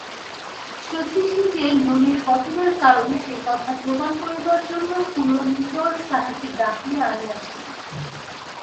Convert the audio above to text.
শচীশই যে ননির পতনের কারণ সেই কথা প্রমাণ করিবার জন্য পুরন্দর তাহাকে ডাকিয়া আনিয়াছিল।